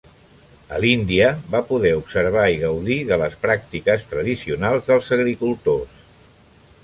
A l'Índia va poder observar i gaudir de les pràctiques tradicionals dels agricultors.